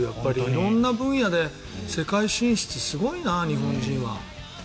色んな分野で世界進出、すごいな、日本人は。